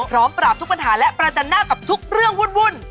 พร้อมปราบทุกปัญหาและประจันหน้ากับทุกเรื่องวุ่น